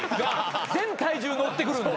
全体重乗ってくるんで。